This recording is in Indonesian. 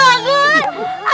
orangnya itu dia